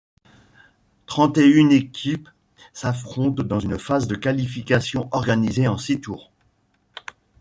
Trente-et-une équipes s'affrontent dans une phase de qualification organisée en six tours.